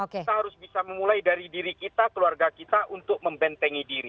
kita harus bisa memulai dari diri kita keluarga kita untuk membentengi diri